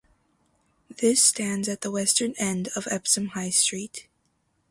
This stands at the western end of Epsom High Street.